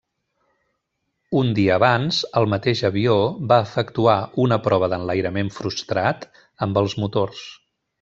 Un dia abans, el mateix avió va efectuar una prova d'enlairament frustrat amb els motors.